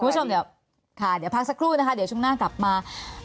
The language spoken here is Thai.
คุณผู้ชมเดี๋ยวค่ะเดี๋ยวพักสักครู่นะคะเดี๋ยวช่วงหน้ากลับมา